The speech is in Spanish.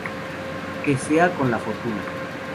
Que sea con la fortuna!